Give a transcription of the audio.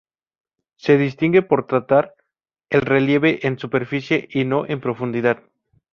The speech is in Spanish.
Se distingue por tratar el relieve en superficie y no en profundidad.